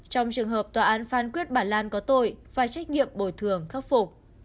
trong trường hợp tòa án phán quyết bà lan có tội phải trách nhiệm bồi thường khắc phục